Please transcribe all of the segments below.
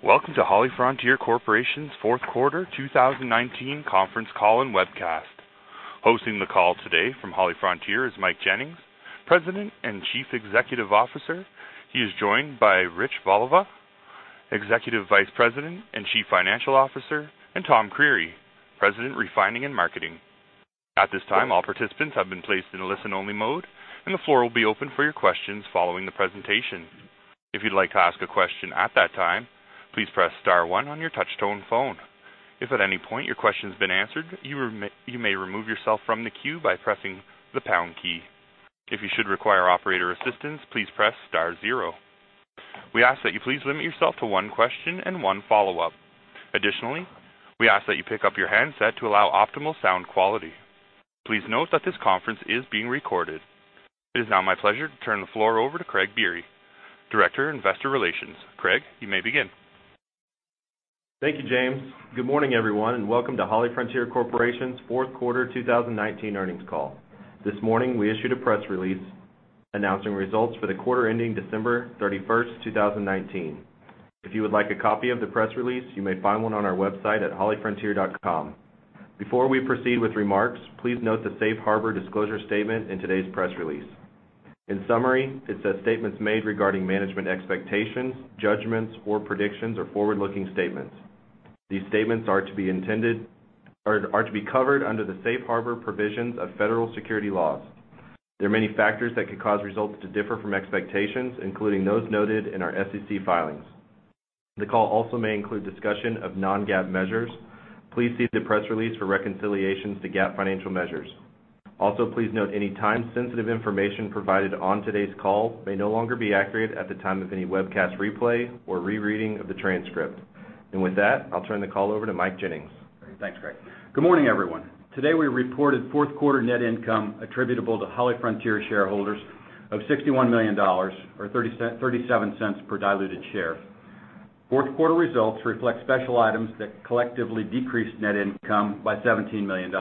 Welcome to HollyFrontier Corporation's fourth quarter 2019 conference call and webcast. Hosting the call today from HollyFrontier is Mike Jennings, President and Chief Executive Officer. He is joined by Rich Voliva, Executive Vice President and Chief Financial Officer, and Tom Creery, President, Refining and Marketing. At this time, all participants have been placed in a listen-only mode, and the floor will be open for your questions following the presentation. If you'd like to ask a question at that time, please press star one on your touch-tone phone. If at any point your question's been answered, you may remove yourself from the queue by pressing the pound key. If you should require operator assistance, please press star zero. We ask that you please limit yourself to one question and one follow-up. Additionally, we ask that you pick up your handset to allow optimal sound quality. Please note that this conference is being recorded. It is now my pleasure to turn the floor over to Craig Biery, Director, Investor Relations. Craig, you may begin. Thank you, James. Good morning, everyone, and welcome to HollyFrontier Corporation's fourth quarter 2019 earnings call. This morning, we issued a press release announcing results for the quarter ending December 31st, 2019. If you would like a copy of the press release, you may find one on our website at hollyfrontier.com. Before we proceed with remarks, please note the Safe Harbor disclosure statement in today's press release. In summary, it says statements made regarding management expectations, judgments, or predictions are forward-looking statements. These statements are to be covered under the Safe Harbor provisions of federal security laws. There are many factors that could cause results to differ from expectations, including those noted in our SEC filings. The call also may include discussion of non-GAAP measures. Please see the press release for reconciliations to GAAP financial measures. Also, please note any time-sensitive information provided on today's call may no longer be accurate at the time of any webcast replay or rereading of the transcript. With that, I'll turn the call over to Mike Jennings. Thanks, Craig. Good morning, everyone. Today, we reported fourth quarter net income attributable to HollyFrontier shareholders of $61 million, or $0.37 per diluted share. Fourth quarter results reflect special items that collectively decreased net income by $17 million.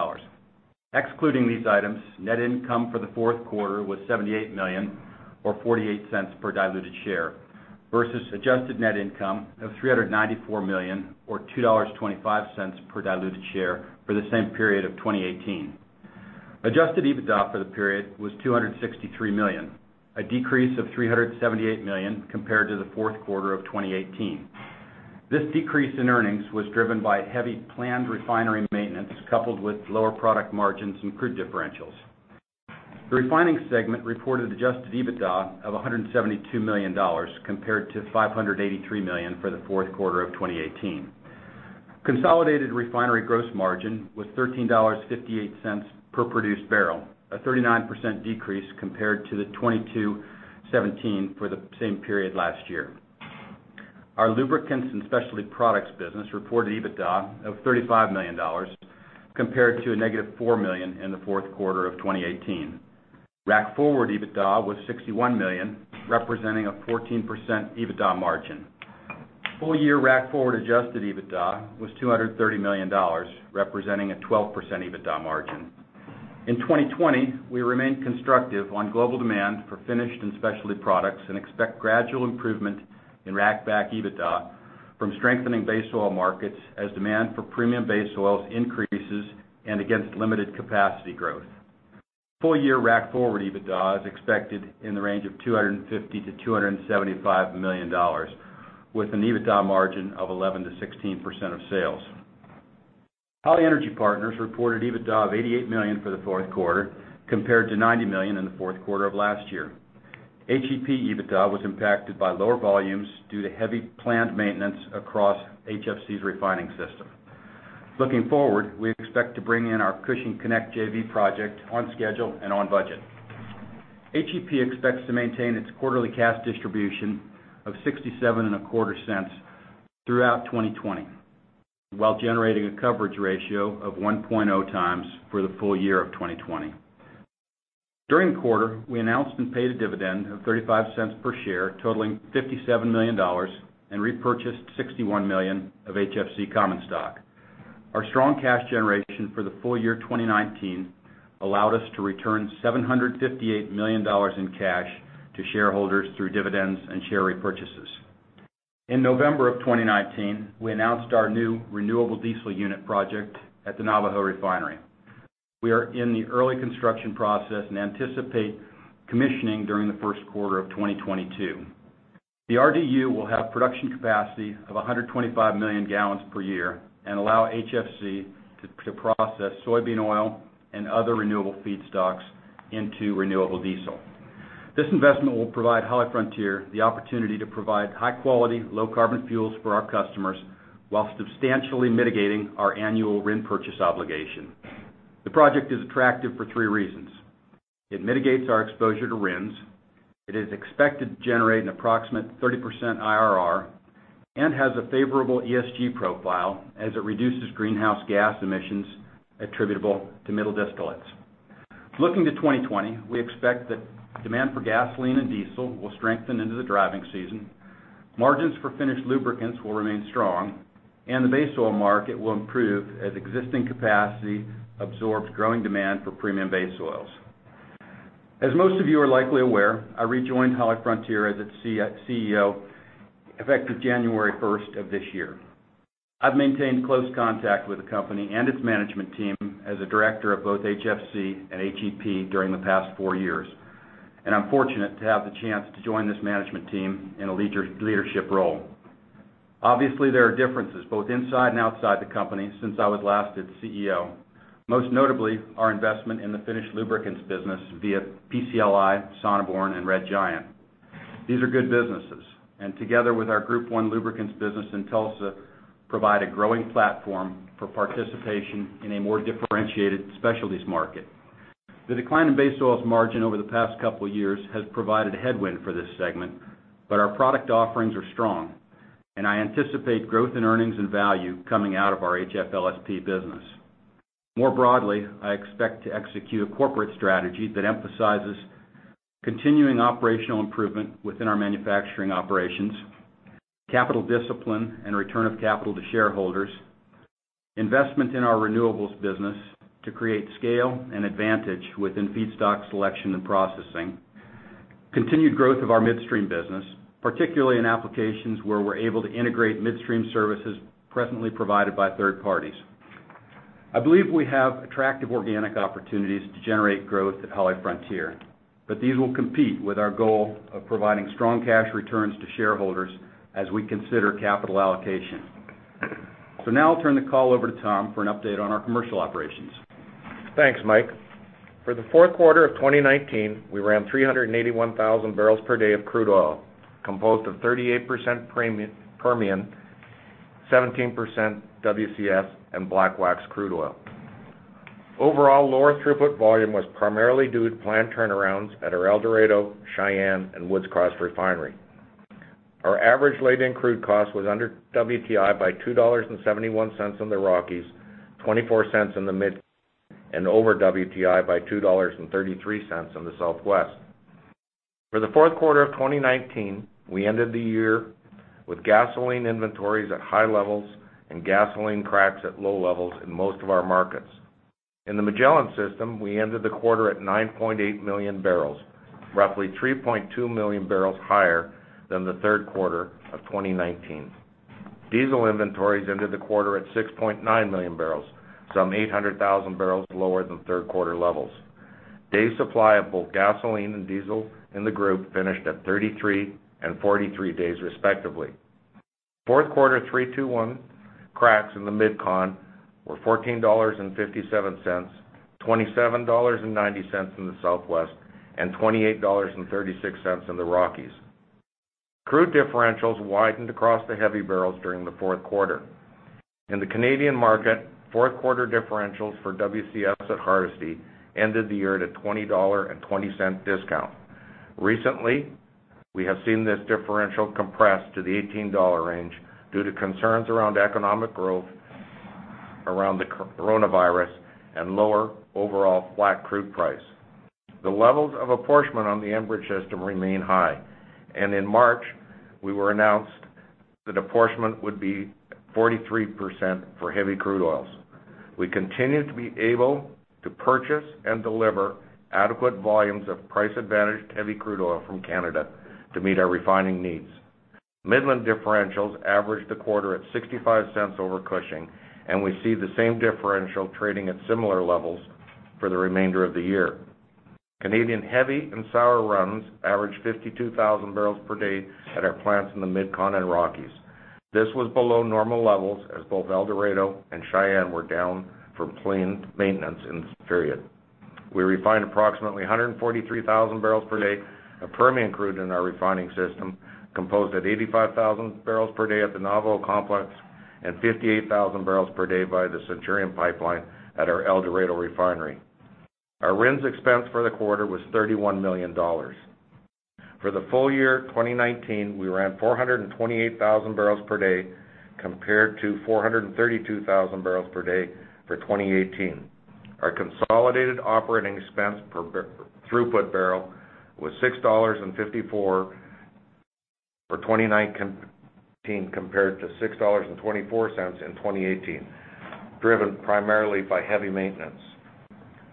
Excluding these items, net income for the fourth quarter was $78 million, or $0.48 per diluted share versus adjusted net income of $394 million, or $2.25 per diluted share for the same period of 2018. Adjusted EBITDA for the period was $263 million, a decrease of $378 million compared to the fourth quarter of 2018. This decrease in earnings was driven by heavy planned refinery maintenance, coupled with lower product margins and crude differentials. The refining segment reported adjusted EBITDA of $172 million compared to $583 million for the fourth quarter of 2018. Consolidated refinery gross margin was $13.58 per produced barrel, a 39% decrease compared to the $22.17 for the same period last year. Our Lubricants and Specialty Products business reported EBITDA of $35 million, compared to a -$4 million in the fourth quarter of 2018. Rack-forward EBITDA was $61 million, representing a 14% EBITDA margin. Full-year rack-forward adjusted EBITDA was $230 million, representing a 12% EBITDA margin. In 2020, we remain constructive on global demand for finished and specialty products and expect gradual improvement in rack-back EBITDA from strengthening base oil markets as demand for premium base oils increases and against limited capacity growth. Full-year rack-forward EBITDA is expected in the range of $250 million-$275 million, with an EBITDA margin of 11%-16% of sales. Holly Energy Partners reported EBITDA of $88 million for the fourth quarter, compared to $90 million in the fourth quarter of last year. HEP EBITDA was impacted by lower volumes due to heavy planned maintenance across HFC's refining system. Looking forward, we expect to bring in our Cushing Connect JV project on schedule and on budget. HEP expects to maintain its quarterly cash distribution of $0.6725 throughout 2020, while generating a coverage ratio of 1.0x for the full year of 2020. During the quarter, we announced and paid a dividend of $0.35 per share, totaling $57 million and repurchased $61 million of HFC common stock. Our strong cash generation for the full year 2019 allowed us to return $758 million in cash to shareholders through dividends and share repurchases. In November 2019, we announced our new renewable diesel unit project at the Navajo refinery. We are in the early construction process and anticipate commissioning during the first quarter of 2022. The RDU will have production capacity of 125 million gallons per year and allow HFC to process soybean oil and other renewable feedstocks into renewable diesel. This investment will provide HollyFrontier the opportunity to provide high-quality, low-carbon fuels for our customers while substantially mitigating our annual RIN purchase obligation. The project is attractive for three reasons. It mitigates our exposure to RINs, it is expected to generate an approximate 30% IRR, and has a favorable ESG profile as it reduces greenhouse gas emissions attributable to middle distillates. Looking to 2020, we expect that demand for gasoline and diesel will strengthen into the driving season, margins for finished lubricants will remain strong, and the base oil market will improve as existing capacity absorbs growing demand for premium base oils. As most of you are likely aware, I rejoined HollyFrontier as its CEO effective January 1st of this year. I've maintained close contact with the company and its management team as a director of both HFC and HEP during the past four years, and I'm fortunate to have the chance to join this management team in a leadership role. Obviously, there are differences both inside and outside the company since I was last its CEO. Most notably, our investment in the finished lubricants business via PCLI, Sonneborn, and Red Giant. These are good businesses. Together with our group one lubricants business in Tulsa, provide a growing platform for participation in a more differentiated specialties market. The decline in base oils margin over the past two years has provided headwind for this segment, but our product offerings are strong, and I anticipate growth in earnings and value coming out of our HFLSP business. More broadly, I expect to execute a corporate strategy that emphasizes continuing operational improvement within our manufacturing operations, capital discipline and return of capital to shareholders, investment in our renewables business to create scale and advantage within feedstock selection and processing, continued growth of our midstream business, particularly in applications where we're able to integrate midstream services presently provided by third parties. I believe we have attractive organic opportunities to generate growth at HollyFrontier, but these will compete with our goal of providing strong cash returns to shareholders as we consider capital allocation. Now I'll turn the call over to Tom for an update on our commercial operations. Thanks, Mike. For the fourth quarter of 2019, we ran 381,000 bbl per day of crude oil, composed of 38% Permian, 17% WCS, and black wax crude oil. Overall, lower throughput volume was primarily due to planned turnarounds at our El Dorado, Cheyenne, and Woods Cross refinery. Our average laid-in crude cost was under WTI by $2.71 in the Rockies, $0.24 in the Mid, and over WTI by $2.33 in the Southwest. For the fourth quarter of 2019, we ended the year with gasoline inventories at high levels and gasoline cracks at low levels in most of our markets. In the Magellan system, we ended the quarter at 9.8 million barrels, roughly 3.2 million barrels higher than the third quarter of 2019. Diesel inventories ended the quarter at 6.9 million barrels, some 800,000 bbl lower than third quarter levels. Day supply of both gasoline and diesel in the group finished at 33 and 43 days respectively. Fourth quarter 3-2-1 cracks in the MidCon were $14.57, $27.90 in the Southwest, and $28.36 in the Rockies. Crude differentials widened across the heavy barrels during the fourth quarter. In the Canadian market, fourth quarter differentials for WCS at Hardisty ended the year at a $20.20 discount. Recently, we have seen this differential compress to the $18 range due to concerns around economic growth around the coronavirus and lower overall flat crude price. The levels of apportionment on the Enbridge system remain high. In March, we were announced that apportionment would be 43% for heavy crude oils. We continue to be able to purchase and deliver adequate volumes of price-advantaged heavy crude oil from Canada to meet our refining needs. Midland differentials averaged the quarter at $0.65 over Cushing. We see the same differential trading at similar levels for the remainder of the year. Canadian heavy and sour runs averaged 52,000 bbl per day at our plants in the MidCon and Rockies. This was below normal levels as both El Dorado and Cheyenne were down for planned maintenance in this period. We refined approximately 143,000 bbl per day of Permian crude in our refining system, composed at 85,000 bbl per day at the Navajo complex and 58,000 bbl per day via the Centurion Pipeline at our El Dorado refinery. Our RINs expense for the quarter was $31 million. For the full year 2019, we ran 428,000 bbl per day compared to 432,000 bbl per day for 2018. Our consolidated operating expense per throughput barrel was $6.54 for 2019 compared to $6.24 in 2018, driven primarily by heavy maintenance.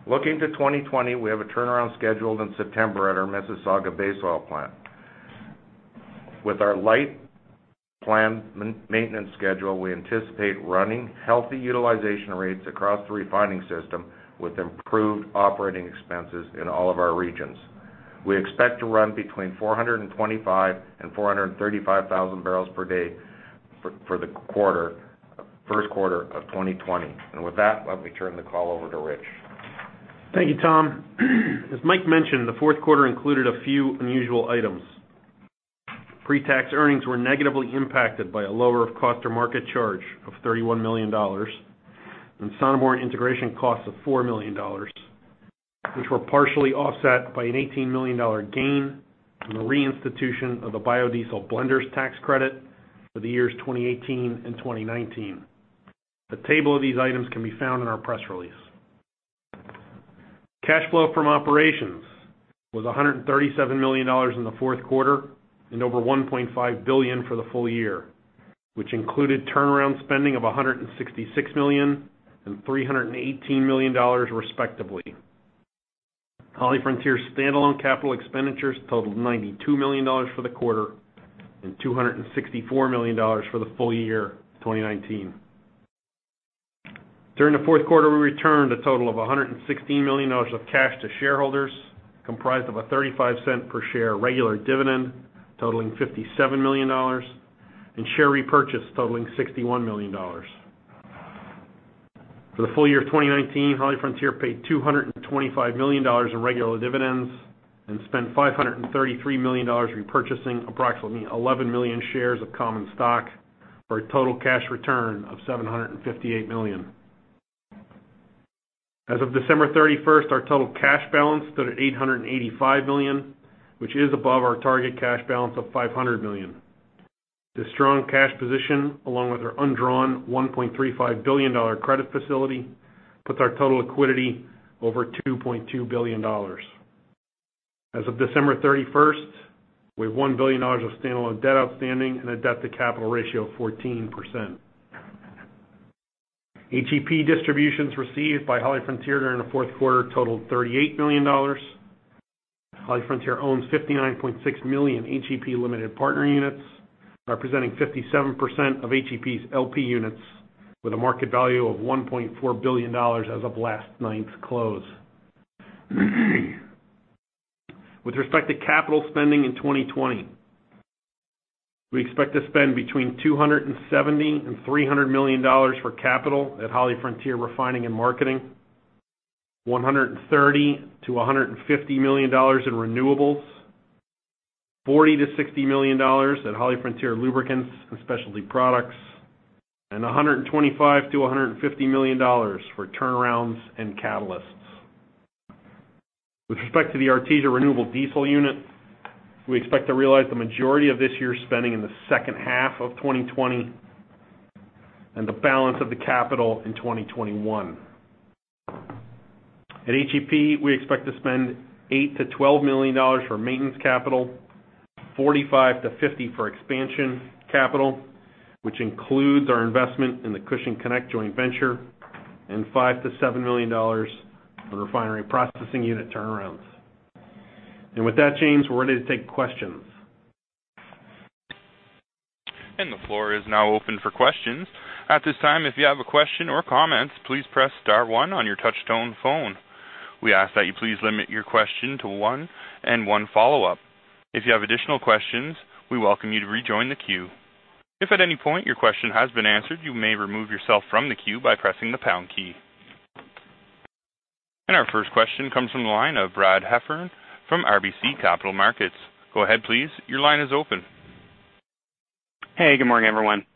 Looking to 2020, we have a turnaround scheduled in September at our Mississauga base oil plant. With our light planned maintenance schedule, we anticipate running healthy utilization rates across the refining system with improved operating expenses in all of our regions. We expect to run between 425,000 and 435,000 bbl per day for the first quarter of 2020. With that, let me turn the call over to Rich. Thank you, Tom. As Mike mentioned, the fourth quarter included a few unusual items. Pre-tax earnings were negatively impacted by a lower of cost or market charge of $31 million and Sonneborn integration costs of $4 million, which were partially offset by an $18 million gain from the reinstitution of the biodiesel mixture tax credit for the years 2018 and 2019. The table of these items can be found in our press release. Cash flow from operations was $137 million in the fourth quarter and over $1.5 billion for the full year. Which included turnaround spending of $166 million and $318 million respectively. HollyFrontier's standalone capital expenditures totaled $92 million for the quarter and $264 million for the full year 2019. During the fourth quarter, we returned a total of $116 million of cash to shareholders, comprised of a $0.35 per share regular dividend totaling $57 million and share repurchase totaling $61 million. For the full year of 2019, HollyFrontier paid $225 million in regular dividends and spent $533 million repurchasing approximately 11 million shares of common stock, for a total cash return of $758 million. As of December 31st, our total cash balance stood at $885 million, which is above our target cash balance of $500 million. This strong cash position, along with our undrawn $1.35 billion credit facility, puts our total liquidity over $2.2 billion. As of December 31st, we have $1 billion of standalone debt outstanding and a debt-to-capital ratio of 14%. HEP distributions received by HollyFrontier during the fourth quarter totaled $38 million. HollyFrontier owns 59.6 million HEP limited partner units, representing 57% of HEP's LP units with a market value of $1.4 billion as of last night's close. With respect to capital spending in 2020, we expect to spend between $270 million-$300 million for capital at HollyFrontier Refining and Marketing, $130 million-$150 million in renewables, $40 million-$60 million at HollyFrontier Lubricants & Specialties, and $125 million-$150 million for turnarounds and catalysts. With respect to the Artesia Renewable Diesel unit, we expect to realize the majority of this year's spending in the second half of 2020, and the balance of the capital in 2021. At HEP, we expect to spend $8 million-$12 million for maintenance capital, $45 million-$50 million for expansion capital, which includes our investment in the Cushing Connect joint venture, and $5 million-$7 million for refinery processing unit turnarounds. With that, James, we're ready to take questions. The floor is now open for questions. At this time, if you have a question or comments, please press star one on your touch-tone phone. We ask that you please limit your question to one and one follow-up. If you have additional questions, we welcome you to rejoin the queue. If at any point your question has been answered, you may remove yourself from the queue by pressing the pound key. Our first question comes from the line of Brad Heffern from RBC Capital Markets. Go ahead please. Your line is open. Hey, good morning, everyone.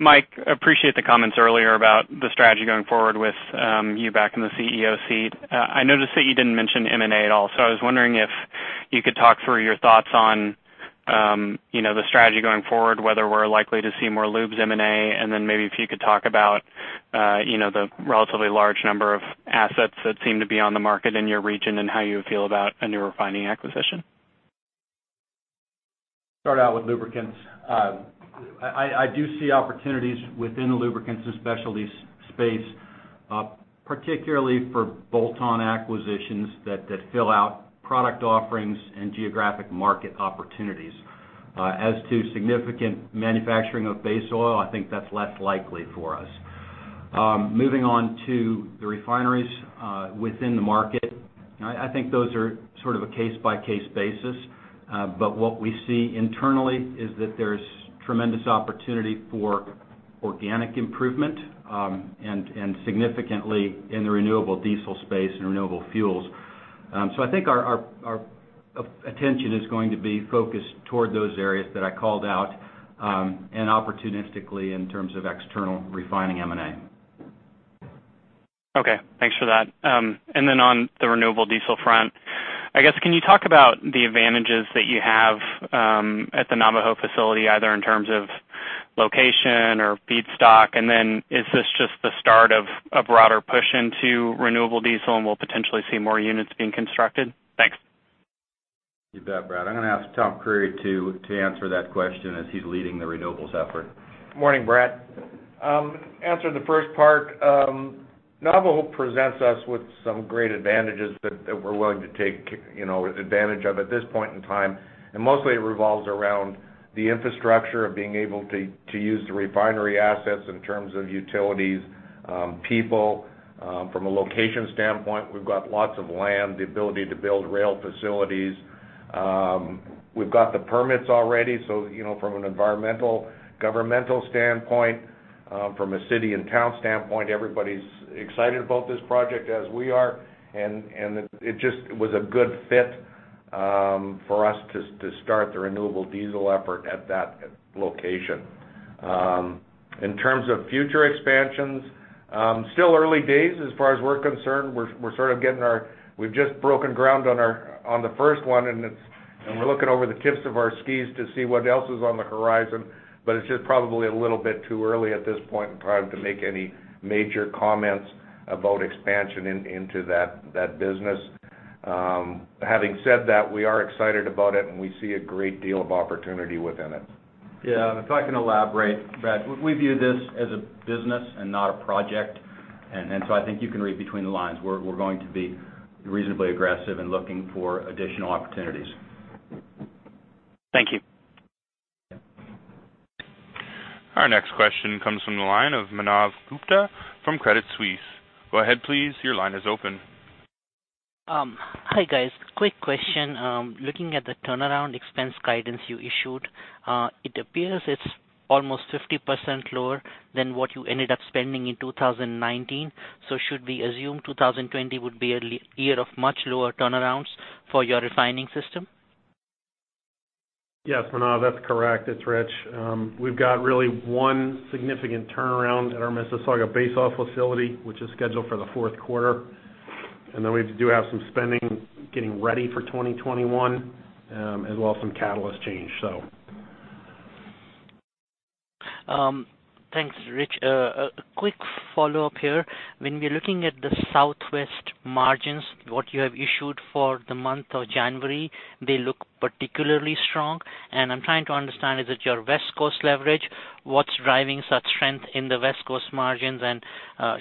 Mike, appreciate the comments earlier about the strategy going forward with you back in the CEO seat. I noticed that you didn't mention M&A at all, so I was wondering if you could talk through your thoughts on the strategy going forward, whether we're likely to see more lubes M&A, and then maybe if you could talk about the relatively large number of assets that seem to be on the market in your region, and how you feel about a new refining acquisition. Start out with lubricants. I do see opportunities within the Lubricants and Specialties space, particularly for bolt-on acquisitions that fill out product offerings and geographic market opportunities. As to significant manufacturing of base oil, I think that's less likely for us. Moving on to the refineries within the market. I think those are sort of a case-by-case basis. What we see internally is that there's tremendous opportunity for organic improvement, and significantly in the renewable diesel space and renewable fuels. I think our attention is going to be focused toward those areas that I called out, and opportunistically in terms of external refining M&A. Okay, thanks for that. On the renewable diesel front, I guess, can you talk about the advantages that you have at the Navajo facility, either in terms of location or feedstock? Is this just the start of a broader push into renewable diesel, and we'll potentially see more units being constructed? Thanks. You bet, Brad. I'm gonna ask Tom Creery to answer that question as he's leading the renewables effort. Morning, Brad. To answer the first part, Navajo presents us with some great advantages that we're willing to take advantage of at this point in time, and mostly it revolves around the infrastructure of being able to use the refinery assets in terms of utilities, people. From a location standpoint, we've got lots of land, the ability to build rail facilities. We've got the permits already, so from an environmental, governmental standpoint from a city and town standpoint, everybody's excited about this project as we are, and it just was a good fit for us to start the renewable diesel effort at that location. In terms of future expansions, still early days as far as we're concerned. We've just broken ground on the first one and we're looking over the tips of our skis to see what else is on the horizon. It's just probably a little bit too early at this point in time to make any major comments about expansion into that business. Having said that, we are excited about it, and we see a great deal of opportunity within it. Yeah. If I can elaborate, Brad, we view this as a business and not a project. I think you can read between the lines. We're going to be reasonably aggressive in looking for additional opportunities. Thank you. Our next question comes from the line of Manav Gupta from Credit Suisse. Go ahead, please. Your line is open. Hi, guys. Quick question. Looking at the turnaround expense guidance you issued, it appears it's almost 50% lower than what you ended up spending in 2019. Should we assume 2020 would be a year of much lower turnarounds for your refining system? Yes, Manav, that's correct. It's Rich. We've got really one significant turnaround at our Mississauga base oils facility, which is scheduled for the fourth quarter. Then we do have some spending getting ready for 2021, as well as some catalyst change. Thanks, Rich. A quick follow-up here. When we are looking at the Southwest margins, what you have issued for the month of January, they look particularly strong. I'm trying to understand, is it your West Coast leverage? What's driving such strength in the West Coast margins?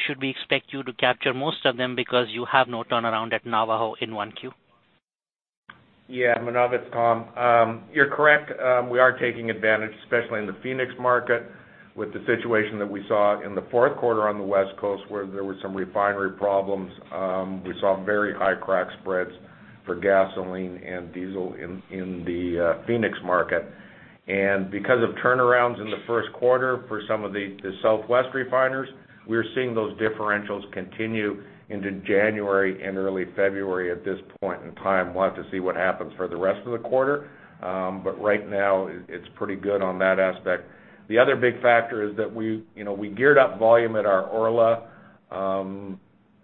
Should we expect you to capture most of them because you have no turnaround at Navajo in 1Q? Yeah, Manav, it's Tom. You're correct, we are taking advantage, especially in the Phoenix market, with the situation that we saw in the fourth quarter on the West Coast, where there were some refinery problems. We saw very high crack spreads for gasoline and diesel in the Phoenix market. Because of turnarounds in the first quarter for some of the Southwest refiners, we're seeing those differentials continue into January and early February at this point in time. We'll have to see what happens for the rest of the quarter. Right now, it's pretty good on that aspect. The other big factor is that we geared up volume at our Orla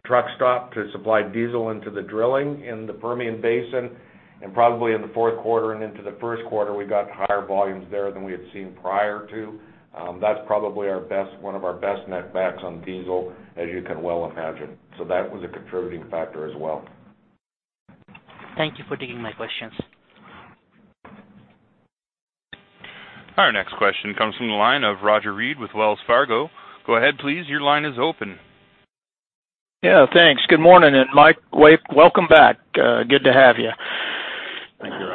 truck stop to supply diesel into the drilling in the Permian Basin, and probably in the fourth quarter and into the first quarter, we got higher volumes there than we had seen prior to. That's probably one of our best netbacks on diesel, as you can well imagine. That was a contributing factor as well. Thank you for taking my questions. Our next question comes from the line of Roger Read with Wells Fargo. Go ahead, please. Your line is open. Yeah, thanks. Good morning, and Mike, welcome back. Good to have you. Thank you,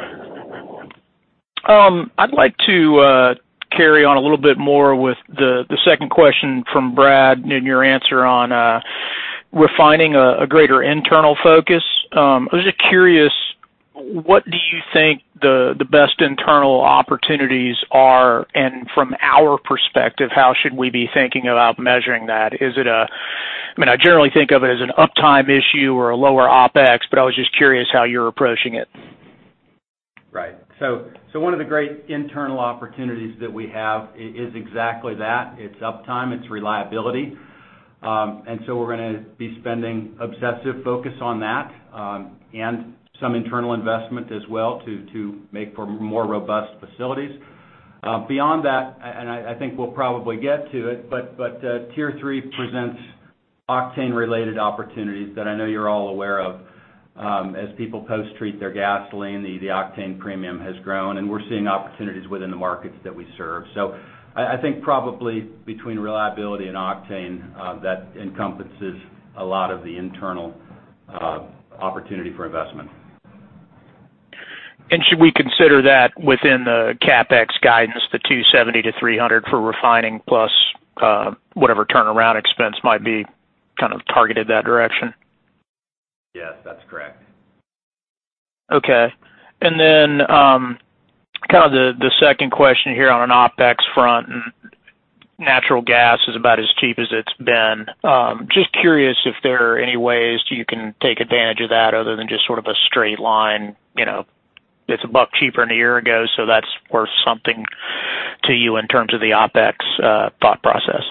Roger. I'd like to carry on a little bit more with the second question from Brad and your answer on refining a greater internal focus. I was just curious, what do you think the best internal opportunities are? From our perspective, how should we be thinking about measuring that? I generally think of it as an uptime issue or a lower OpEx, but I was just curious how you're approaching it. Right. One of the great internal opportunities that we have is exactly that. It's uptime, it's reliability. We're gonna be spending obsessive focus on that, and some internal investment as well to make for more robust facilities. Beyond that, and I think we'll probably get to it, but Tier 3 presents octane-related opportunities that I know you're all aware of. As people post-treat their gasoline, the octane premium has grown, and we're seeing opportunities within the markets that we serve. I think probably between reliability and octane, that encompasses a lot of the internal opportunity for investment. Should we consider that within the CapEx guidance, the $270 million-$300 million for refining plus whatever turnaround expense might be targeted that direction? Yes, that's correct. Okay. The second question here on an OpEx front, natural gas is about as cheap as it's been. Just curious if there are any ways you can take advantage of that other than just sort of a straight line. It's a buck cheaper than a year ago. That's worth something to you in terms of the OpEx thought process.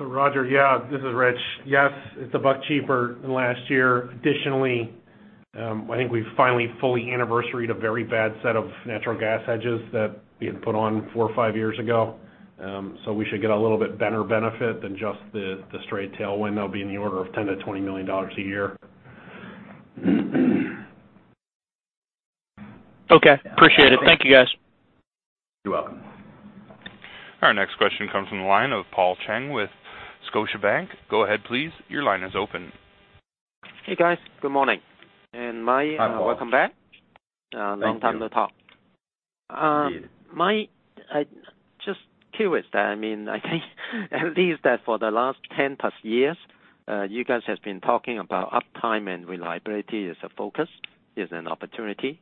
Roger, yeah. This is Rich. Yes, it's a buck cheaper than last year. Additionally, I think we've finally fully anniversaried a very bad set of natural gas hedges that we had put on four or five years ago. We should get a little bit better benefit than just the straight tailwind that'll be in the order of $10 million-$20 million a year. Okay. Appreciate it. Thank you, guys. You're welcome. Our next question comes from the line of Paul Cheng with Scotiabank. Go ahead please. Your line is open. Hey, guys. Good morning. Hi, Paul. Welcome back. Thank you. Long time no talk. Indeed. Mike, just curious that, I think, at least that for the last 10+ years, you guys have been talking about uptime and reliability as a focus, as an opportunity.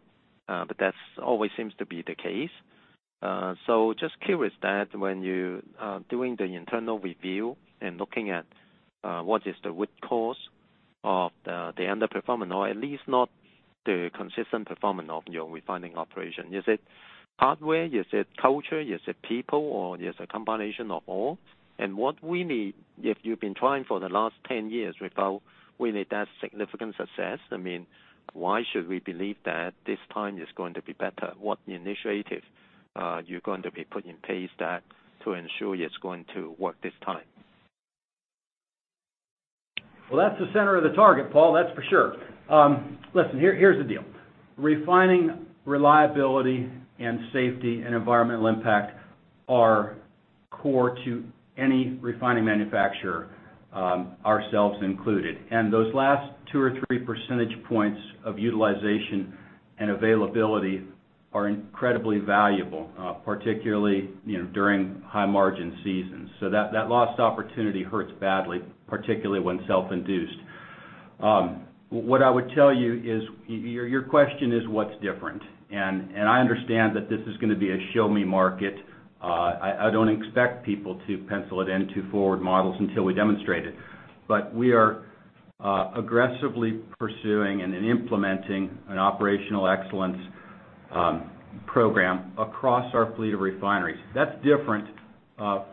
That always seems to be the case. Just curious that when you are doing the internal review and looking at what is the root cause of the underperforming, or at least not the consistent performance of your refining operation, is it hardware? Is it culture? Is it people, or is it a combination of all? What we need, if you've been trying for the last 10 years without really that significant success, why should we believe that this time is going to be better? What initiative are you going to be putting in place to ensure it's going to work this time? That's the center of the target, Paul. That's for sure. Here's the deal. Refining reliability and safety and environmental impact are core to any refining manufacturer, ourselves included. Those last 2 or 3 percentage points of utilization and availability are incredibly valuable, particularly during high margin seasons. That lost opportunity hurts badly, particularly when self-induced. What I would tell you is, your question is what's different? I understand that this is going to be a show-me market. I don't expect people to pencil it into forward models until we demonstrate it. We are aggressively pursuing and implementing an operational excellence program across our fleet of refineries. That's different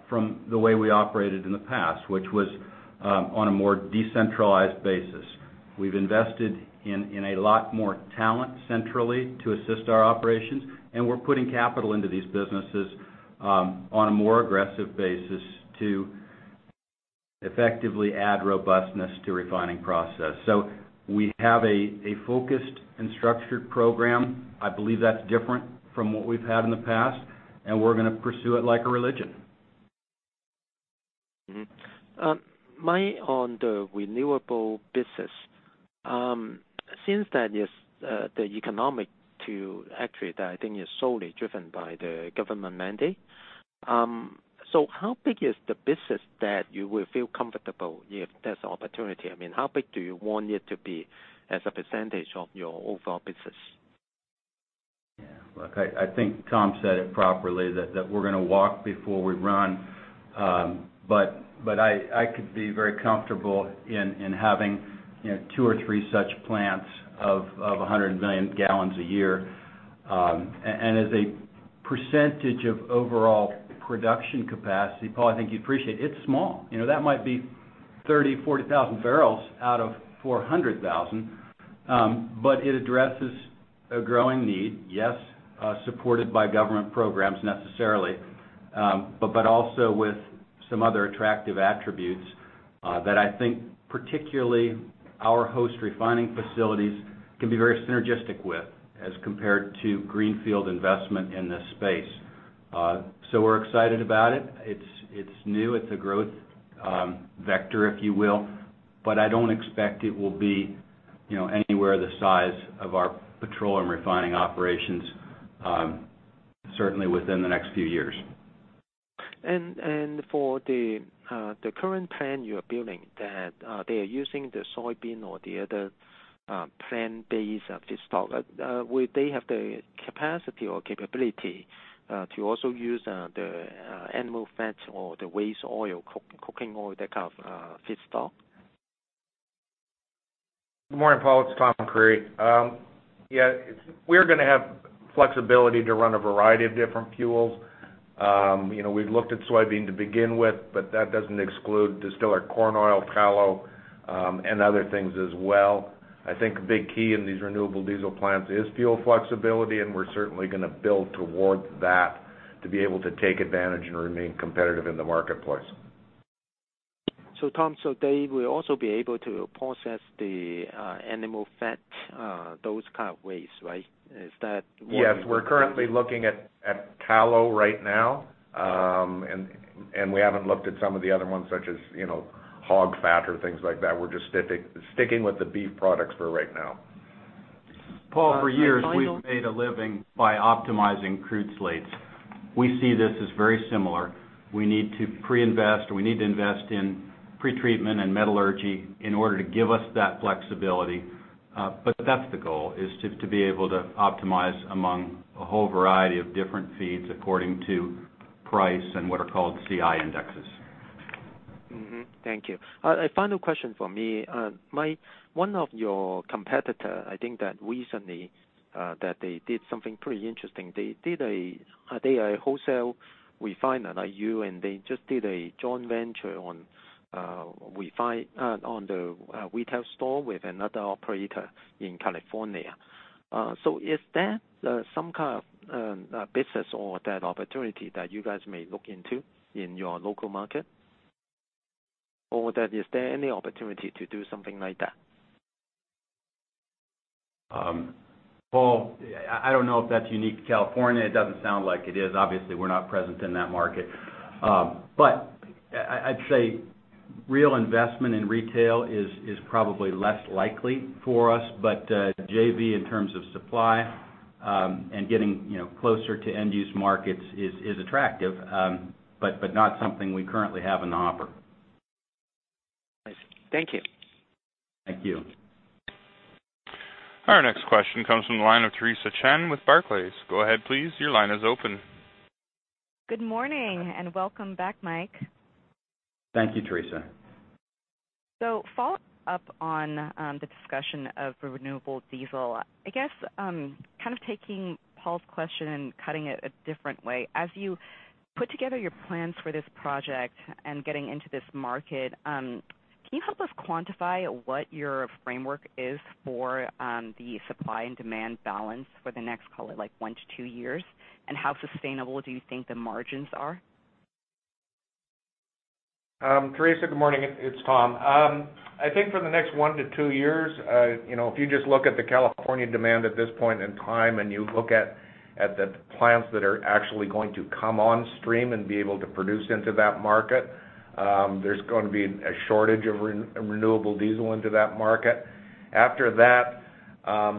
from the way we operated in the past, which was on a more decentralized basis. We've invested in a lot more talent centrally to assist our operations, and we're putting capital into these businesses on a more aggressive basis to effectively add robustness to refining process. We have a focused and structured program. I believe that's different from what we've had in the past, and we're going to pursue it like a religion. Mm-hmm. Mike, on the renewable business, since that is the economic to actually, that I think is solely driven by the government mandate. How big is the business that you will feel comfortable if there's opportunity? I mean, how big do you want it to be as a percentage of your overall business? Yeah, look, I think Tom said it properly that we're going to walk before we run. I could be very comfortable in having two or three such plants of 100 million gallons a year. As a percentage of overall production capacity, Paul, I think you'd appreciate, it's small. That might be 30,000 bbl, 40,000 bbl out of 400,000 bbl. It addresses a growing need, yes, supported by government programs necessarily. Also with some other attractive attributes that I think particularly our host refining facilities can be very synergistic with as compared to greenfield investment in this space. We're excited about it. It's new. It's a growth vector, if you will, but I don't expect it will be anywhere the size of our petroleum refining operations, certainly within the next few years. For the current plan you're building that they are using the soybean or the other plant-based feedstock. Will they have the capacity or capability to also use the animal fat or the waste oil, cooking oil, that kind of feedstock? Good morning, Paul. It's Tom Creery. Yeah, we're going to have flexibility to run a variety of different fuels. We've looked at soybean to begin with, but that doesn't exclude distillers corn oil, tallow, and other things as well. I think a big key in these renewable diesel plants is fuel flexibility, and we're certainly going to build towards that to be able to take advantage and remain competitive in the marketplace. Tom, they will also be able to process the animal fat, those kind of ways, right? Is that what you? Yes. We're currently looking at tallow right now. We haven't looked at some of the other ones such as hog fat or things like that. We're just sticking with the beef products for right now. Paul, for years, we've made a living by optimizing crude slates. We see this as very similar. We need to pre-invest, or we need to invest in pre-treatment and metallurgy in order to give us that flexibility. That's the goal, is to be able to optimize among a whole variety of different feeds according to price and what are called CI indexes. Thank you. A final question from me. Mike, one of your competitor, I think that recently that they did something pretty interesting. They are a wholesale refiner like you, they just did a joint venture on the retail store with another operator in California. Is that some kind of business or that opportunity that you guys may look into in your local market? Is there any opportunity to do something like that? Paul, I don't know if that's unique to California. It doesn't sound like it is. Obviously, we're not present in that market. I'd say real investment in retail is probably less likely for us. A JV in terms of supply, and getting closer to end-use markets is attractive. Not something we currently have in the offer. I see. Thank you. Thank you. Our next question comes from the line of Theresa Chen with Barclays. Go ahead, please. Your line is open. Good morning, welcome back, Mike. Thank you, Theresa. Follow-up on the discussion of renewable diesel. I guess, kind of taking Paul's question and cutting it a different way. As you put together your plans for this project and getting into this market, can you help us quantify what your framework is for the supply and demand balance for the next, call it like one to two years? How sustainable do you think the margins are? Theresa, good morning. It's Tom. I think for the next one to two years, if you just look at the California demand at this point in time and you look at the plants that are actually going to come on stream and be able to produce into that market, there's going to be a shortage of renewable diesel into that market. After that,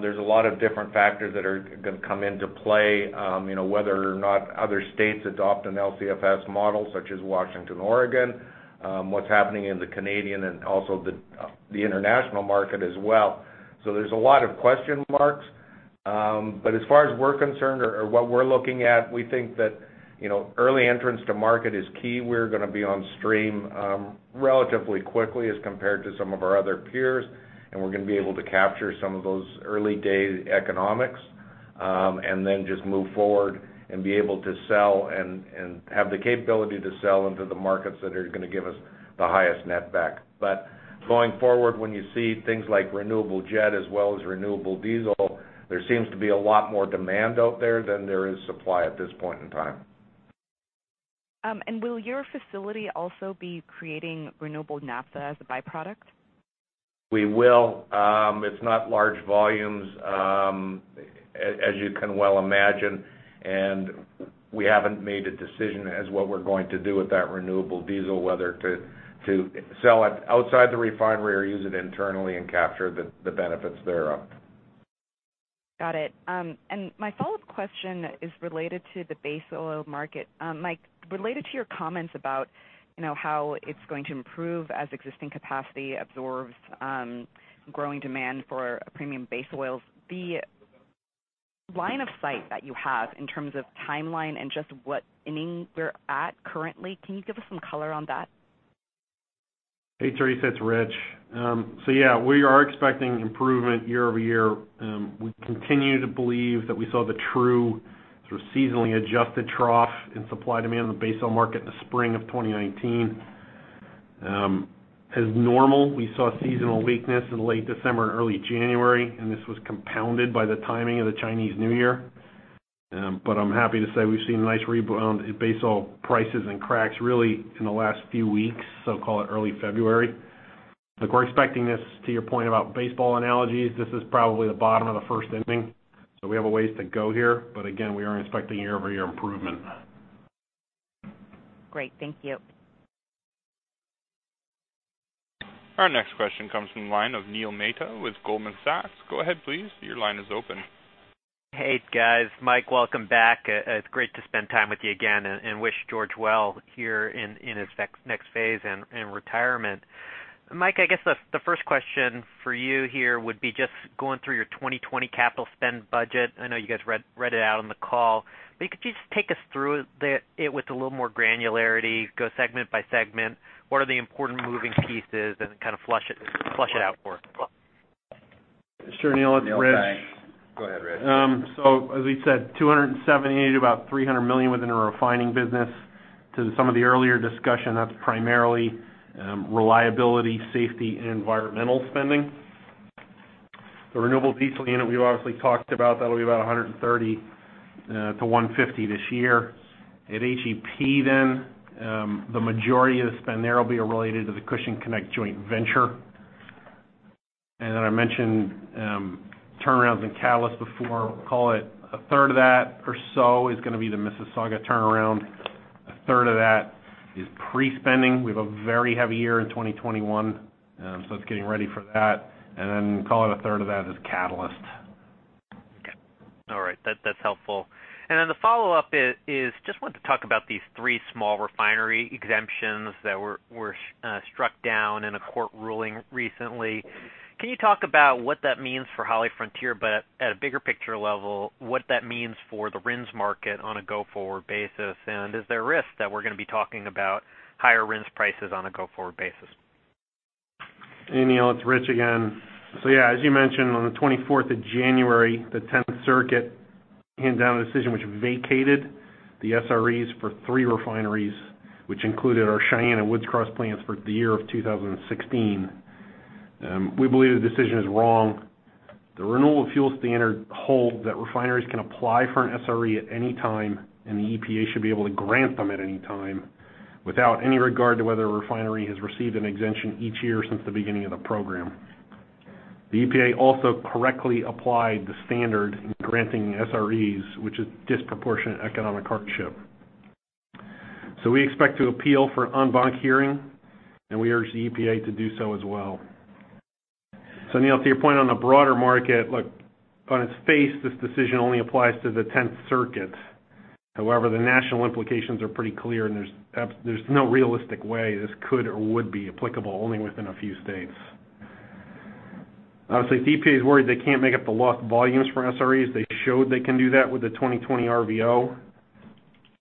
there's a lot of different factors that are going to come into play. Whether or not other states adopt an LCFS model such as Washington, Oregon, what's happening in the Canadian and also the international market as well. There's a lot of question marks. As far as we're concerned or what we're looking at, we think that early entrance to market is key. We're going to be on stream relatively quickly as compared to some of our other peers, and we're going to be able to capture some of those early-day economics, and then just move forward and be able to sell and have the capability to sell into the markets that are going to give us the highest net back. Going forward, when you see things like renewable jet as well as renewable diesel, there seems to be a lot more demand out there than there is supply at this point in time. Will your facility also be creating renewable naphtha as a byproduct? We will. It's not large volumes, as you can well imagine, and we haven't made a decision as what we're going to do with that renewable diesel, whether to sell it outside the refinery or use it internally and capture the benefits thereof. Got it. My follow-up question is related to the base oil market. Mike, related to your comments about how it's going to improve as existing capacity absorbs growing demand for premium base oils. The line of sight that you have in terms of timeline and just what inning we're at currently, can you give us some color on that? Hey, Theresa, it's Rich. Yeah, we are expecting improvement year-over-year. We continue to believe that we saw the true sort of seasonally adjusted trough in supply-demand in the base oils market in the spring of 2019. As normal, we saw seasonal weakness in late December and early January, and this was compounded by the timing of the Chinese New Year. I'm happy to say we've seen a nice rebound in base oils prices and cracks really in the last few weeks, call it early February. Look, we're expecting this, to your point about baseball analogies, this is probably the bottom of the first inning. We have a ways to go here, again, we are expecting year-over-year improvement. Great. Thank you. Our next question comes from the line of Neil Mehta with Goldman Sachs. Go ahead, please. Your line is open. Hey, guys. Mike, welcome back. It's great to spend time with you again and wish George well here in his next phase in retirement. Mike, I guess the first question for you here would be just going through your 2020 capital spend budget. I know you guys read it out on the call. Could you just take us through it with a little more granularity? Go segment by segment. What are the important moving pieces, and kind of flush it out for us? Sure, Neil. It's Rich. Neil, thanks. Go ahead, Rich. As we said, $270 million to about $300 million within our refining business. To some of the earlier discussion, that's primarily reliability, safety, and environmental spending. The renewable diesel unit we obviously talked about. That'll be about $130 million-$150 million this year. At HEP then, the majority of the spend there will be related to the Cushing Connect joint venture. I mentioned turnarounds in catalyst before. Call it a third of that or so is going to be the Mississauga turnaround. A third of that is pre-spending. We have a very heavy year in 2021, so it's getting ready for that. Call it a third of that is catalyst. Okay. All right. That's helpful. The follow-up is, just wanted to talk about these three small refinery exemptions that were struck down in a court ruling recently. Can you talk about what that means for HollyFrontier, but at a bigger picture level, what that means for the RINs market on a go-forward basis? Is there a risk that we're going to be talking about higher RINs prices on a go-forward basis? Yeah, as you mentioned, on the 24th of January, the Tenth Circuit handed down a decision which vacated the SREs for three refineries, which included our Cheyenne and Woods Cross plants for the year of 2016. We believe the decision is wrong. The Renewable Fuel Standard holds that refineries can apply for an SRE at any time, the EPA should be able to grant them at any time without any regard to whether a refinery has received an exemption each year since the beginning of the program. The EPA also correctly applied the standard in granting SREs, which is disproportionate economic hardship. We expect to appeal for an en banc hearing, we urge the EPA to do so as well. Neil, to your point on the broader market, look, on its face, this decision only applies to the Tenth Circuit. However, the national implications are pretty clear, and there's no realistic way this could or would be applicable only within a few states. If the EPA is worried they can't make up the lost volumes from SREs, they showed they can do that with the 2020 RVO,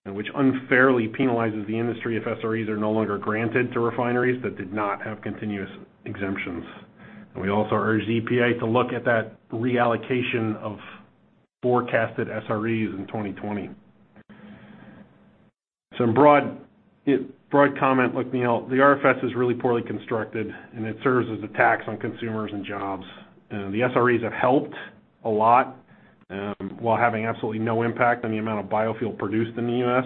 which unfairly penalizes the industry if SREs are no longer granted to refineries that did not have continuous exemptions. We also urge the EPA to look at that reallocation of forecasted SREs in 2020. In broad comment, look, Neil, the RFS is really poorly constructed and it serves as a tax on consumers and jobs. The SREs have helped a lot. While having absolutely no impact on the amount of biofuel produced in the U.S.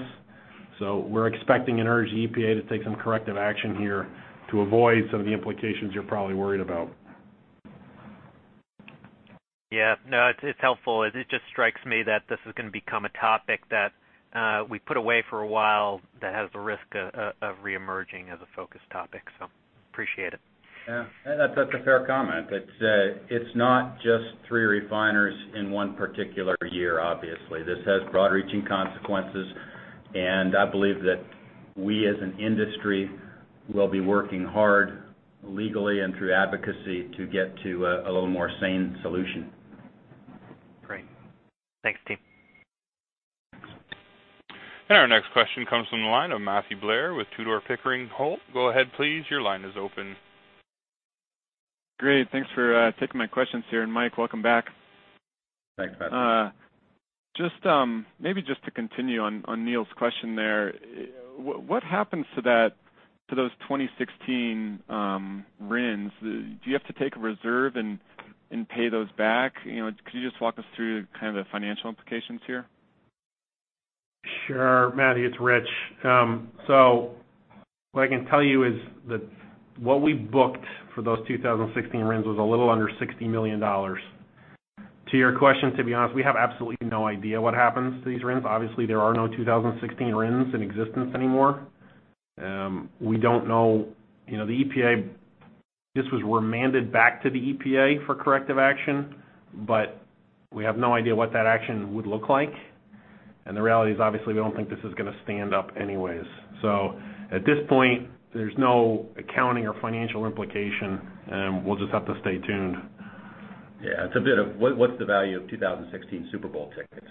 We're expecting and urge the EPA to take some corrective action here to avoid some of the implications you're probably worried about. Yeah. No, it's helpful. It just strikes me that this is going to become a topic that we put away for a while, that has the risk of reemerging as a focus topic. Appreciate it. Yeah. That's a fair comment. It's not just three refiners in one particular year, obviously. This has broad reaching consequences. I believe that we, as an industry, will be working hard legally and through advocacy to get to a little more sane solution. Great. Thanks, team. Our next question comes from the line of Matthew Blair with Tudor, Pickering, Holt. Go ahead, please. Your line is open. Great. Thanks for taking my questions here. Mike, welcome back. Thanks, Matthew. Maybe just to continue on Neil's question there, what happens to those 2016 RINs? Do you have to take a reserve and pay those back? Could you just walk us through the financial implications here? Sure, Matthew. It's Rich. What I can tell you is that what we booked for those 2016 RINs was a little under $60 million. To your question, to be honest, we have absolutely no idea what happens to these RINs. Obviously, there are no 2016 RINs in existence anymore. This was remanded back to the EPA for corrective action, we have no idea what that action would look like. The reality is, obviously, we don't think this is going to stand up anyways. At this point, there's no accounting or financial implication. We'll just have to stay tuned. It's a bit of what's the value of 2016 Super Bowl tickets?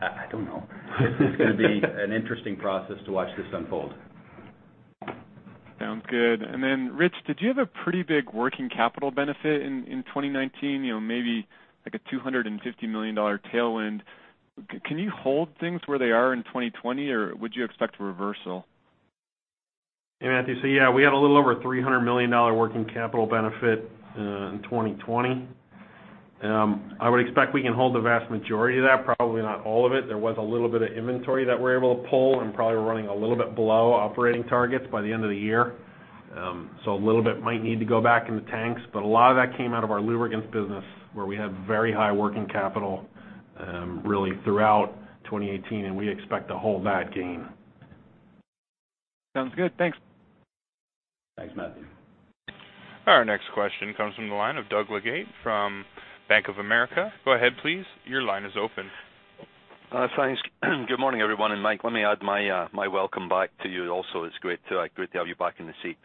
I don't know. It's going to be an interesting process to watch this unfold. Sounds good. Rich, did you have a pretty big working capital benefit in 2019? Maybe like a $250 million tailwind. Can you hold things where they are in 2020, or would you expect a reversal? Hey, Matthew. Yeah, we had a little over $300 million working capital benefit, in 2020. I would expect we can hold the vast majority of that, probably not all of it. There was a little bit of inventory that we're able to pull and probably running a little bit below operating targets by the end of the year. A little bit might need to go back in the tanks, but a lot of that came out of our lubricants business, where we had very high working capital, really throughout 2018, and we expect to hold that gain. Sounds good. Thanks. Thanks, Matt. Our next question comes from the line of Doug Leggate from Bank of America. Go ahead, please. Your line is open. Thanks. Good morning, everyone. Mike, let me add my welcome back to you also. It's great to have you back in the seat.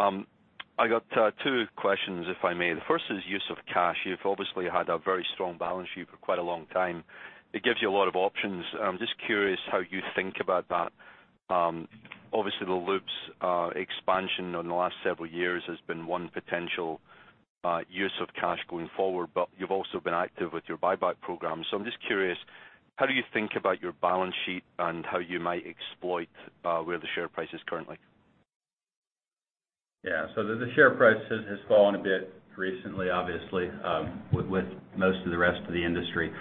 I got two questions, if I may. The first is use of cash. You've obviously had a very strong balance sheet for quite a long time. It gives you a lot of options. I'm just curious how you think about that. Obviously, the lubes expansion in the last several years has been one potential use of cash going forward, you've also been active with your buyback program. I'm just curious, how do you think about your balance sheet and how you might exploit where the share price is currently? The share price has fallen a bit recently, obviously, with most of the rest of the industry.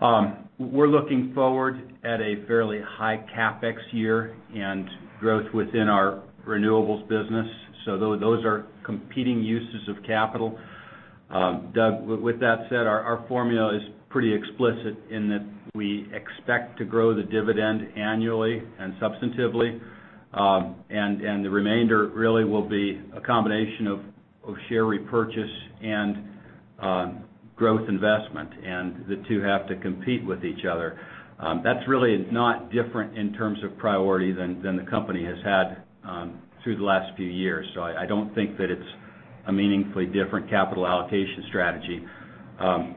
We're looking forward at a fairly high CapEx year and growth within our renewables business, those are competing uses of capital. Doug, with that said, our formula is pretty explicit in that we expect to grow the dividend annually and substantively. The remainder really will be a combination of share repurchase and growth investment. The two have to compete with each other. That's really not different in terms of priority than the company has had through the last few years. I don't think that it's a meaningfully different capital allocation strategy.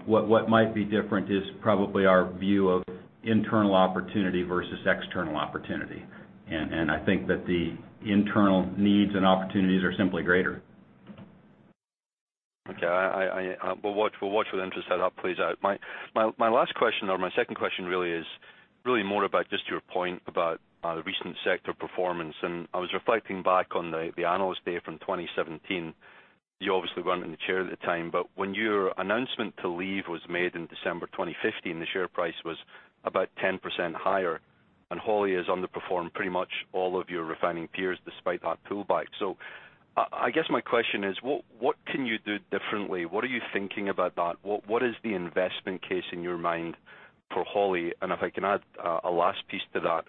What might be different is probably our view of internal opportunity versus external opportunity. I think that the internal needs and opportunities are simply greater. Okay. We'll watch with interest how that plays out. My last question or my second question is more about just your point about recent sector performance. I was reflecting back on the Analyst Day from 2017. You obviously weren't in the chair at the time. When your announcement to leave was made in December 2015, the share price was about 10% higher. Holly has underperformed pretty much all of your refining peers despite that pullback. I guess my question is, what can you do differently? What are you thinking about that? What is the investment case in your mind for Holly? If I can add a last piece to that,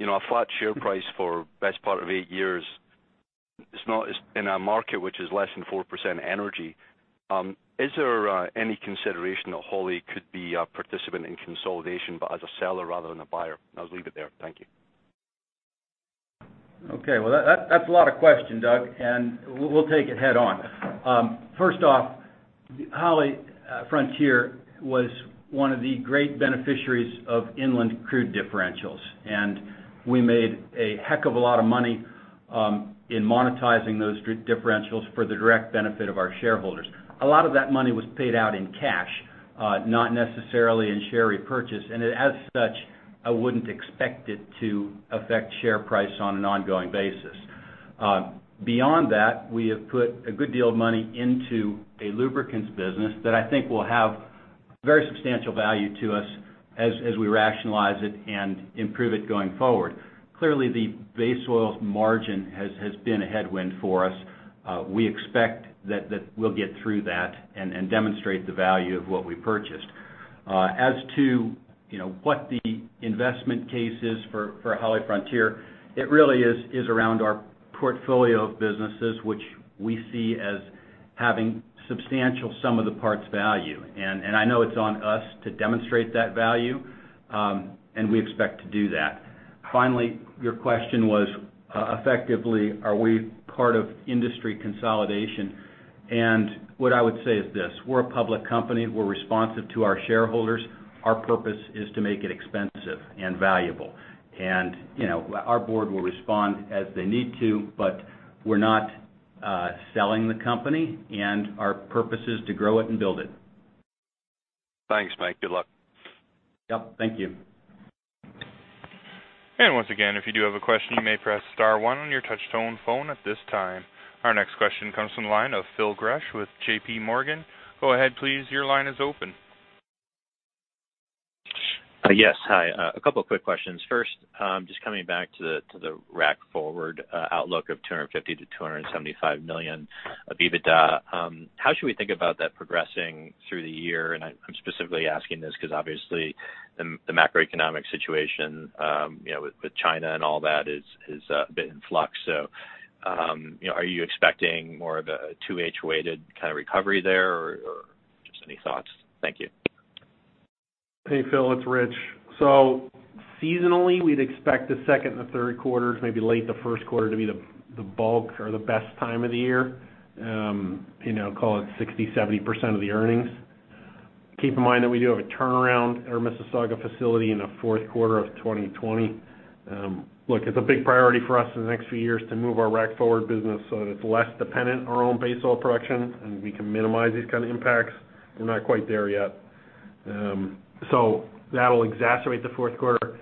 a flat share price for best part of eight years in a market which is less than 4% energy, is there any consideration that Holly could be a participant in consolidation, but as a seller rather than a buyer? I'll leave it there. Thank you. Okay. Well, that's a lot of question, Doug. We'll take it head on. First off, HollyFrontier was one of the great beneficiaries of inland crude differentials. We made a heck of a lot of money in monetizing those differentials for the direct benefit of our shareholders. A lot of that money was paid out in cash, not necessarily in share repurchase. As such, I wouldn't expect it to affect share price on an ongoing basis. Beyond that, we have put a good deal of money into a lubricants business that I think will have very substantial value to us as we rationalize it and improve it going forward. Clearly, the base oils margin has been a headwind for us. We expect that we'll get through that and demonstrate the value of what we purchased. As to what the investment case is for HollyFrontier, it really is around our portfolio of businesses, which we see as having substantial sum-of-the-parts value. I know it's on us to demonstrate that value, and we expect to do that. Finally, your question was effectively, are we part of industry consolidation? What I would say is this: we're a public company. We're responsive to our shareholders. Our purpose is to make it expensive and valuable. Our Board will respond as they need to, but we're not selling the company, and our purpose is to grow it and build it. Thanks, Mike. Good luck. Yep. Thank you. Once again, if you do have a question, you may press star one on your touch-tone phone at this time. Our next question comes from the line of Phil Gresh with JPMorgan. Go ahead, please. Your line is open. Yes, hi. A couple of quick questions. First, just coming back to the Rack Forward outlook of $250 million-$275 million of EBITDA. How should we think about that progressing through the year? I'm specifically asking this because obviously, the macroeconomic situation with China and all that has been in flux. Are you expecting more of a 2H-weighted recovery there, or just any thoughts? Thank you. Hey, Phil. It's Rich. Seasonally, we'd expect the second and the third quarters, maybe late the first quarter, to be the bulk or the best time of the year. Call it 60%, 70% of the earnings. Keep in mind that we do have a turnaround at our Mississauga facility in the fourth quarter of 2020. Look, it's a big priority for us in the next few years to move our Rack Forward business so that it's less dependent on our own base oil production, and we can minimize these kind of impacts. We're not quite there yet. That'll exacerbate the fourth quarter.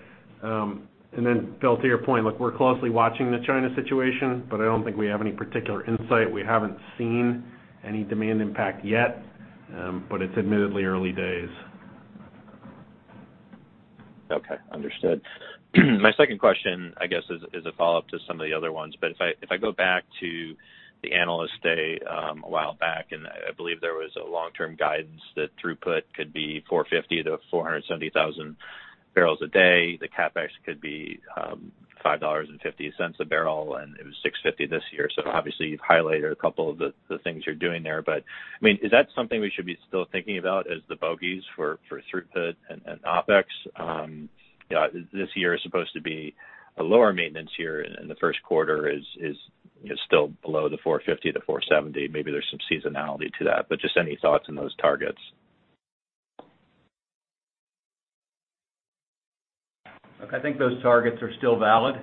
Then Phil, to your point, look, we're closely watching the China situation, but I don't think we have any particular insight. We haven't seen any demand impact yet, but it's admittedly early days. Okay. Understood. My second question, I guess, is a follow-up to some of the other ones. If I go back to the Analyst Day a while back, and I believe there was a long-term guidance that throughput could be 450,000-470,000 barrels a day. The CapEx could be $5.50 a barrel, and it was $6.50 this year. Obviously, you've highlighted a couple of the things you're doing there. Is that something we should be still thinking about as the bogeys for throughput and OpEx? This year is supposed to be a lower maintenance year, and the first quarter is still below the 450,000-470,000 bbl. Maybe there's some seasonality to that, but just any thoughts on those targets. Look, I think those targets are still valid.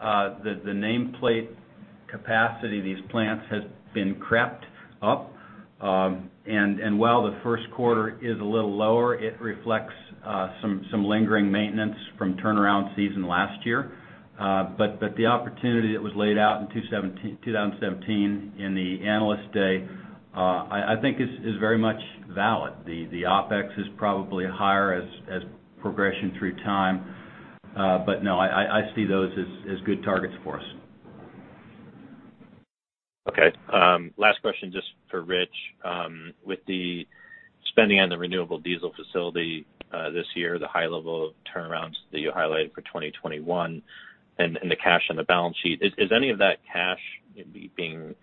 The nameplate capacity of these plants has been crept up. While the first quarter is a little lower, it reflects some lingering maintenance from turnaround season last year. The opportunity that was laid out in 2017 in the Analyst Day, I think is very much valid. The OpEx is probably higher as progression through time. No, I see those as good targets for us. Okay. Last question, just for Rich. With the spending on the renewable diesel facility this year, the high level of turnarounds that you highlighted for 2021, and the cash on the balance sheet, is any of that cash going to be being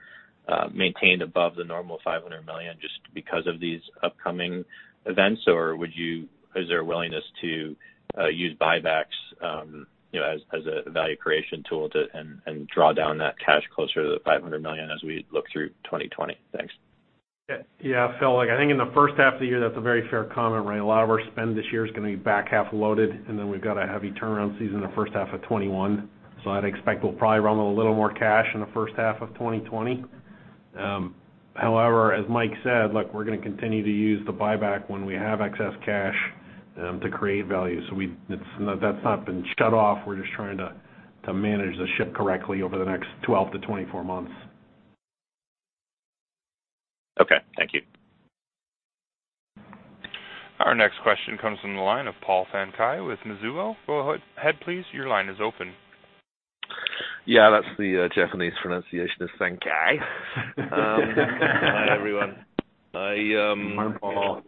maintained above the normal $500 million just because of these upcoming events? Is there a willingness to use buybacks as a value creation tool and draw down that cash closer to the $500 million as we look through 2020? Thanks. Yeah. Phil, I think in the first half of the year, that's a very fair comment. A lot of our spend this year is going to be back-half loaded, and then we've got a heavy turnaround season in the first half of 2021. I'd expect we'll probably run with a little more cash in the first half of 2020. However, as Mike said, look, we're going to continue to use the buyback when we have excess cash to create value. That's not been shut off. We're just trying to manage the ship correctly over the next 12-24 months. Okay. Thank you. Our next question comes from the line of Paul Sankey with Mizuho. Go ahead, please. Your line is open. Yeah, that's the Japanese pronunciation of Sankey. Hi, everyone. Hi, Paul.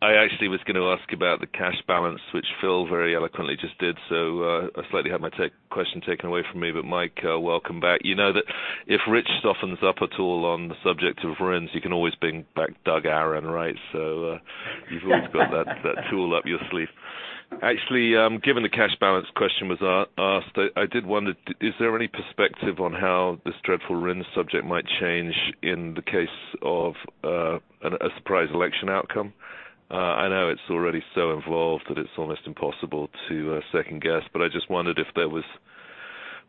I actually was going to ask about the cash balance, which Phil very eloquently just did. I slightly had my question taken away from me, but Mike, welcome back. You know that if Rich softens up at all on the subject of RINs, you can always bring back Doug Aron, right? You've always got that tool up your sleeve. Actually, given the cash balance question was asked, I did wonder, is there any perspective on how this dreadful RINs subject might change in the case of a surprise election outcome? I know it's already so involved that it's almost impossible to second guess, but I just wondered if there was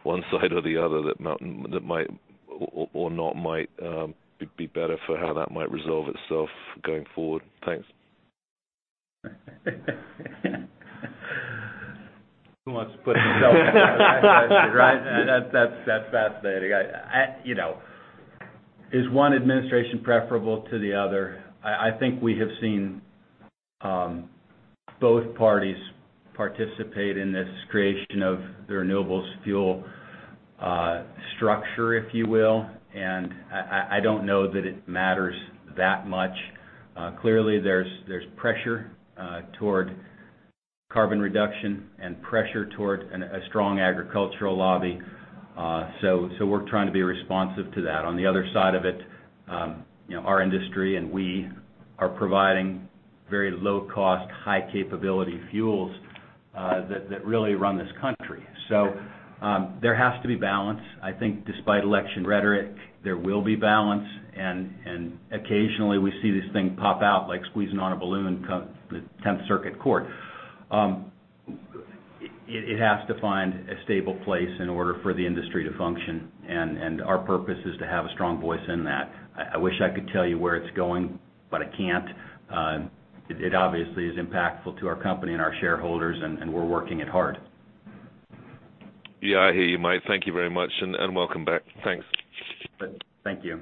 one side or the other that might or not might be better for how that might resolve itself going forward. Thanks. Let's put yourself right. That's fascinating. Is one administration preferable to the other? I think we have seen both parties participate in this creation of the renewables fuel structure, if you will. I don't know that it matters that much. Clearly, there's pressure toward carbon reduction and pressure toward a strong agricultural lobby. We're trying to be responsive to that. On the other side of it, our industry and we are providing very low-cost, high-capability fuels that really run this country. There has to be balance. I think despite election rhetoric, there will be balance, and occasionally, we see this thing pop out, like squeezing on a balloon, the Tenth Circuit Court. It has to find a stable place in order for the industry to function, and our purpose is to have a strong voice in that. I wish I could tell you where it's going, but I can't. It obviously is impactful to our company and our shareholders, and we're working it hard. Yeah, I hear you, Mike. Thank you very much, and welcome back. Thanks. Thank you.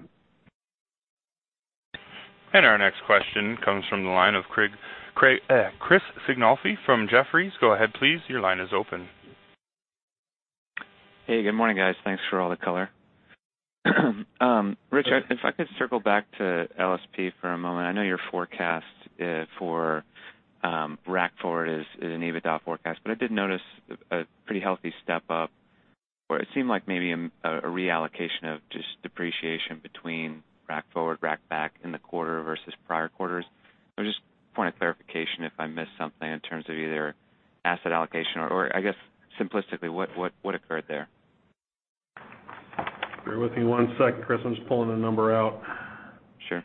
Our next question comes from the line of Chris Sighinolfi from Jefferies. Go ahead, please. Your line is open. Hey, good morning, guys. Thanks for all the color. Rich, if I could circle back to LSP for a moment. I know your forecast for Rack Forward is an EBITDA forecast, but I did notice a pretty healthy step-up, or it seemed like maybe a reallocation of just depreciation between Rack Forward, Rack Back in the quarter versus prior quarters. Just point of clarification if I missed something in terms of either asset allocation or I guess simplistically, what occurred there? Bear with me one second, Chris. I'm just pulling a number out. Sure.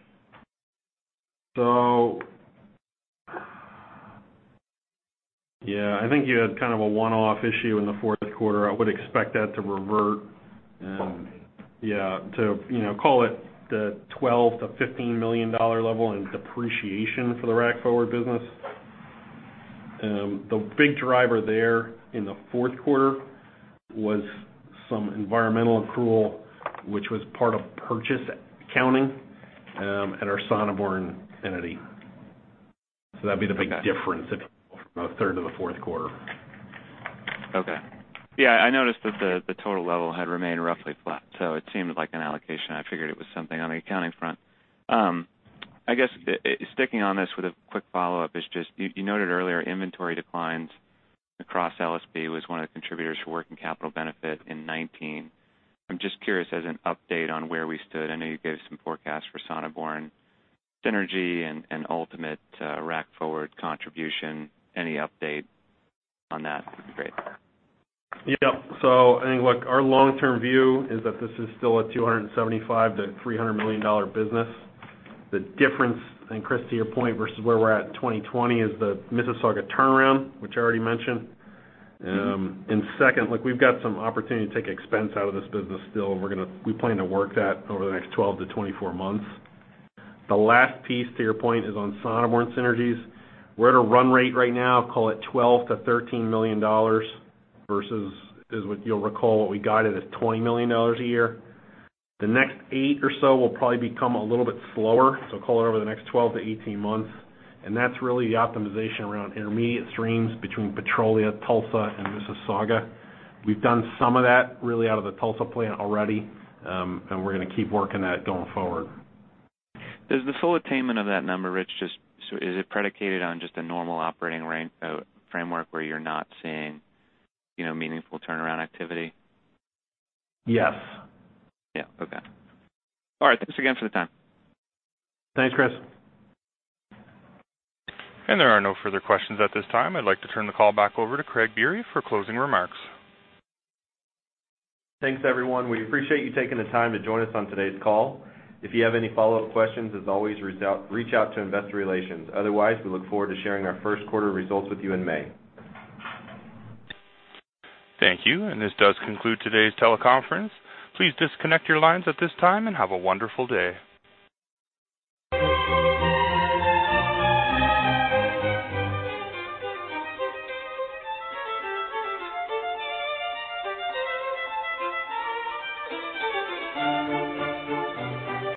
Yeah, I think you had kind of a one-off issue in the fourth quarter. I would expect that to revert. Okay. Yeah. To call it the $12 million-$15 million level in depreciation for the Rack Forward business. The big driver there in the fourth quarter was some environmental accrual, which was part of purchase accounting at our Sonneborn entity. That'd be the big difference- Okay. ...from the third to the fourth quarter. Okay. Yeah, I noticed that the total level had remained roughly flat, it seemed like an allocation. I figured it was something on the accounting front. I guess, sticking on this with a quick follow-up is just, you noted earlier inventory declines across LSP was one of the contributors for working capital benefit in 2019. I'm just curious as an update on where we stood. I know you gave some forecasts for Sonneborn synergy and ultimate Rack Forward contribution. Any update on that would be great. Yep. I think, look, our long-term view is that this is still a $275 million-$300 million business. The difference, and Chris, to your point versus where we're at in 2020 is the Mississauga turnaround, which I already mentioned. Second, look, we've got some opportunity to take expense out of this business still, and we plan to work that over the next 12-24 months. The last piece, to your point, is on Sonneborn synergies. We're at a run rate right now, call it $12 million-$13 million versus, as what you'll recall, what we guided as $20 million a year. The next eight or so will probably become a little bit slower, so call it over the next 12-18 months. That's really the optimization around intermediate streams between Petrolia, Tulsa, and Mississauga. We've done some of that really out of the Tulsa plant already, and we're gonna keep working that going forward. Does the full attainment of that number, Rich, is it predicated on just a normal operating framework where you're not seeing meaningful turnaround activity? Yes. Yeah. Okay. All right. Thanks again for the time. Thanks, Chris. There are no further questions at this time. I'd like to turn the call back over to Craig Biery for closing remarks. Thanks, everyone. We appreciate you taking the time to join us on today's call. If you have any follow-up questions, as always, reach out to Investor Relations. Otherwise, we look forward to sharing our first quarter results with you in May. Thank you. This does conclude today's teleconference. Please disconnect your lines at this time and have a wonderful day.